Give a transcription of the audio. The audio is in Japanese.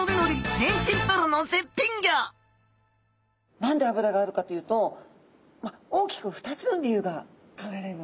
何で脂があるかというと大きく２つの理由が考えられますね。